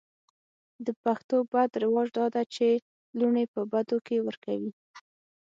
د پښتو بد رواج دا ده چې لوڼې په بدو کې ور کوي.